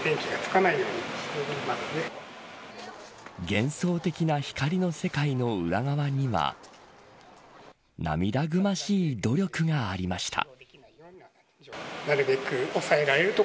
幻想的な光の世界の裏側には涙ぐましい努力がありました。